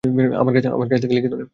আমার কাছ থেকে লিখিত নে।